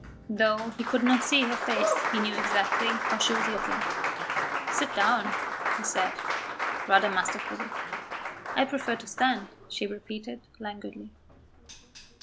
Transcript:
Though he could not see her face, he knew exactly how she was looking. "Sit down," he said, rather masterfully. "I prefer to stand," she repeated languidly.